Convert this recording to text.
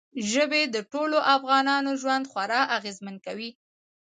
ژبې د ټولو افغانانو ژوند خورا اغېزمن کوي.